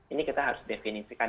ini kita harus definisikan